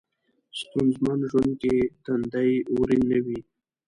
ستونځمن ژوند کې تندی ورین نه وي.